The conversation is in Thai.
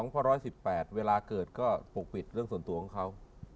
เพราะ๑๑๘เวลาเกิดก็ปกปิดเรื่องส่วนตัวของเขา